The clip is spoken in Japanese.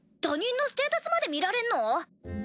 他人のステータスまで見られんの！？